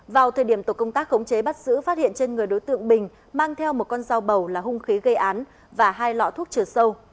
vào thời điểm tổ công tác khống chế bắt giữ phát hiện trên người đối tượng bình mang theo một con dao bầu là hung khí gây án và hai lọ thuốc trừ sâu